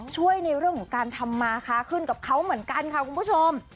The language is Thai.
ในเรื่องของการทำมาค้าขึ้นกับเขาเหมือนกันค่ะคุณผู้ชม